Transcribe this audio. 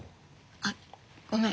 あっごめん。